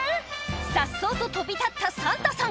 さっそうと飛び立ったサンタさん